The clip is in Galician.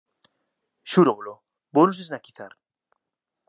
Xúrovolo, vounos esnaquizar.